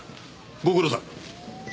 ご苦労さん。